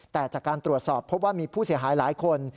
แต่จากการตรวจสอบพบว่ามีผู้เสียหายหลายคน